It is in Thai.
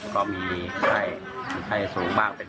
กังวลใจอะไรมั้ย